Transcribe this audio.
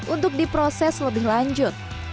untuk diproses lebih lanjut